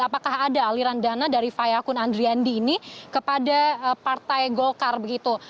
apakah ada aliran dana dari fayakun andriandi ini kepada partai golkar begitu